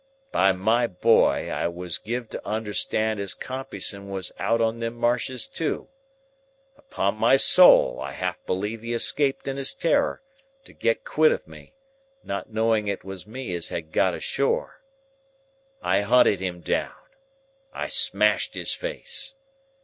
"By my boy, I was giv to understand as Compeyson was out on them marshes too. Upon my soul, I half believe he escaped in his terror, to get quit of me, not knowing it was me as had got ashore. I hunted him down. I smashed his face.